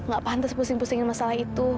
gak pantas pusing pusingin masalah itu